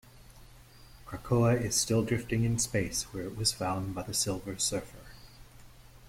Krakoa is still drifting in space where it was found by the Silver Surfer.